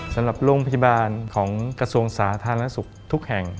สำหรับโรงพยาบาลของกระทรวงสาธารณสุขทุกแห่ง